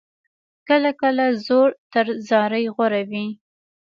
کله کله زور تر زارۍ غوره وي.